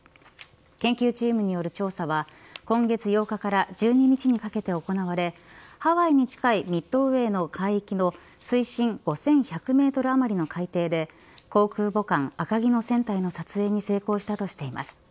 研究チームによる調査は今月８日から１２日にかけて行われハワイに近いミッドウェーの海域の水深５１００メートルあまりの海底で航空母艦、赤城の船体の撮影に成功したとしています。